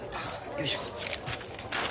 よいしょ。